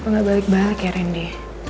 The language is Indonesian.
kenapa ga balik balik ya randy